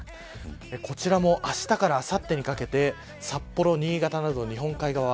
こちらも、あしたからあさってにかけて札幌、新潟など、日本海側は